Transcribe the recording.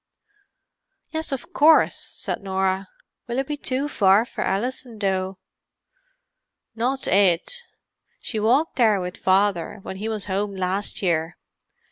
"Yes, of course," said Norah. "Will it be too far for Alison, though?" "Not it—she walked there with Father when he was home last time.